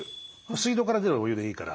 水道から出るお湯でいいから。